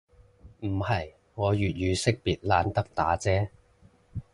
唔係，我粵語識別懶得打啫